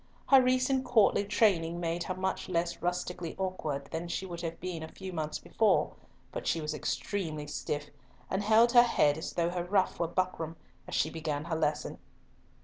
Her recent courtly training made her much less rustically awkward than she would have been a few months before, but she was extremely stiff, and held her head as though her ruff were buckram, as she began her lesson.